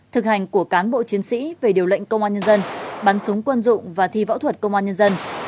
thực hành của cán bộ chiến sĩ về điều lệnh công an nhân dân bắn súng quân dụng và thi võ thuật công an nhân dân